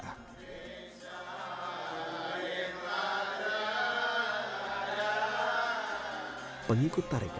kepada jemaah tarekat naksabandia